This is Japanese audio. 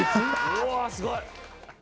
うわあ、すごい。